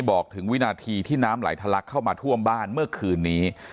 บอกถึงวินาทีที่น้ำไหลทะลักเข้ามาท่วมบ้านเมื่อคืนนี้